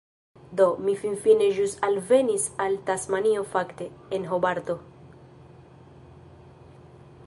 Do, mi finfine ĵus alvenis al Tasmanio fakte, en Hobarto.